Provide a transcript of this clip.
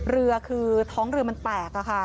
เรือคือท้องเรือมันแตกค่ะ